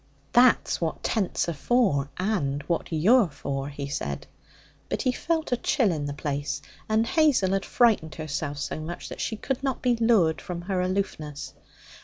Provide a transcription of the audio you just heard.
'That's what tents are for, and what you're for,' he said. But he felt a chill in the place, and Hazel had frightened herself so much that she could not be lured from her aloofness.